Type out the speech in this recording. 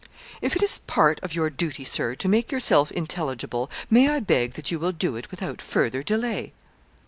'If it is part of your duty, Sir, to make yourself intelligible, may I beg that you will do it without further delay.'